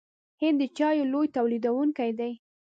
هند د چایو لوی تولیدونکی دی.